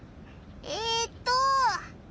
えっと。